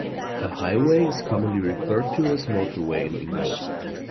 A highway is commonly referred to as motorway in England.